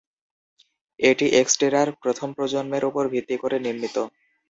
এটি এক্সটেরার প্রথম প্রজন্মের উপর ভিত্তি করে নির্মিত।